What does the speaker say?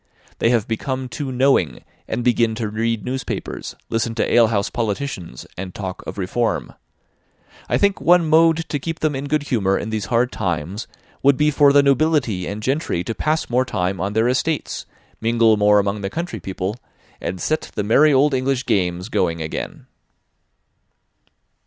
They have become too knowing, and begin to read newspapers, listen to alehouse politicians, and talk of reform. I think one mode to keep them in good humour in these hard times would be for the nobility and gentry to pass more time on their estates, mingle more among the country people, and set the merry old English games going again."